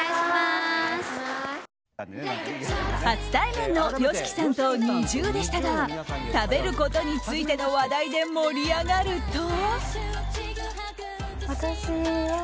初対面のＹＯＳＨＩＫＩさんとＮｉｚｉＵでしたが食べることについての話題で盛り上がると。